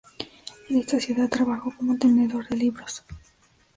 En esta ciudad trabajó como tenedor de libros.